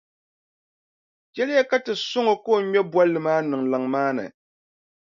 Chɛliya ka ti sɔŋ o ka o ŋme bolli maa niŋ laŋ maa ni.